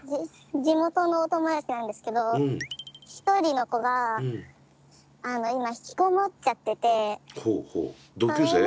地元のお友達なんですけど１人の子が今ひきこもっちゃっててほうほう。